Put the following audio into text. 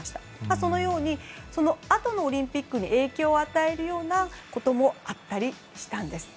そのようにそのあとのオリンピックに影響を与えるようなこともあったりしたんです。